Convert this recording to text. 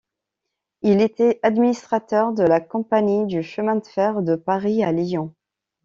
Il était administrateur de la Compagnie du chemin de fer de Paris à Lyon.